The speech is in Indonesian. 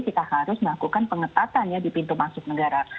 kita harus melakukan pengetatannya di pintu masuk negara